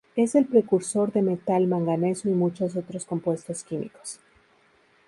Es el precursor de metal manganeso y muchos otros compuestos químicos.